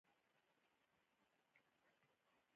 په افغانستان کې زراعت په پراخه کچه شتون لري.